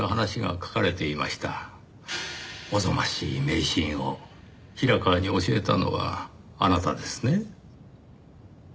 おぞましい迷信を平川に教えたのはあなたですね？